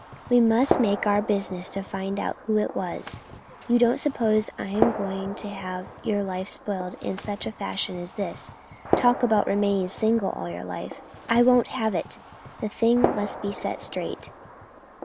We must make it our business to find out who it was. You don't suppose I am going to have your life spoiled in such a fashion as this. Talk about remaining single all your life, I won't have it; the thing must be set straight."